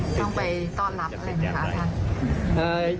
ต้องไปต้อนรับอะไรไหมคะท่าน